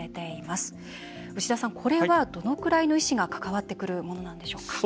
牛田さんこれはどのくらいの医師が関わってくるものなんでしょうか。